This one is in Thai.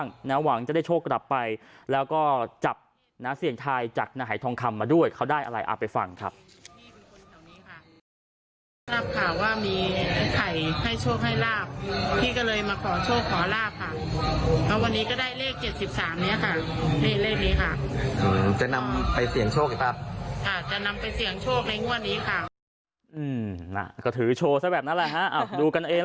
เพราะวันนี้ก็ได้เลขเจ็ดสิบสามเนี้ยค่ะเลขเร